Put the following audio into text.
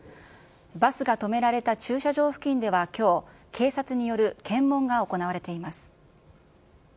バスが止められた駐車場付近ではきょう、警察による検問が行われています。